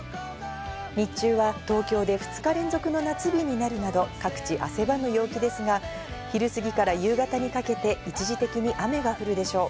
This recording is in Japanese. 日中は東京で２日連続の夏日になるなど、各地汗ばむ陽気ですが、昼過ぎから夕方にかけて一時的に雨が降るでしょう。